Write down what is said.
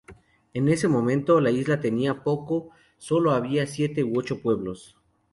En ese momento la isla tenía poco, sólo había siete u ocho pueblos.